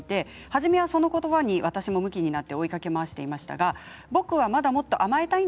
初めはそのことばにむきになって追いかけ回していましたが僕はもっと甘えたい